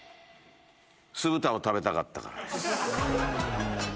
酢豚を食べたかったからです。